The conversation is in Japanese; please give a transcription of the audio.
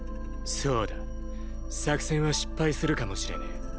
そうだ作戦は失敗するかもしれねぇ。